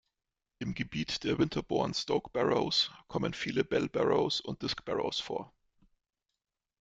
Im Gebiet der "Winterbourne Stoke Barrows" kommen viele "Bell Barrows" und "Disk barrows" vor.